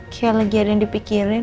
kayak lagi ada yang dipikirin